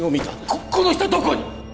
ここの人どこに？